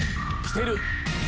来てる。